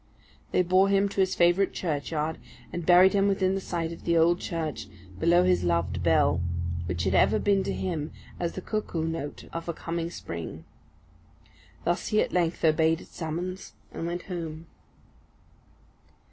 They bore him to his favourite churchyard, and buried him within the site of the old church, below his loved bell, which had ever been to him as the cuckoo note of a coming spring. Thus he at length obeyed its summons, and went home.